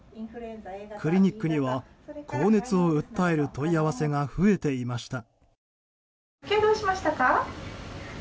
クリニックには、高熱を訴える問い合わせが増えていました。